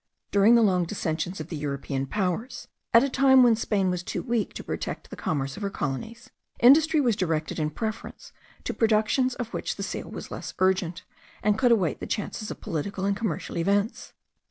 During the long dissensions of the European powers, at a time when Spain was too weak to protect the commerce of her colonies, industry was directed in preference to productions of which the sale was less urgent, and could await the chances of political and commercial events.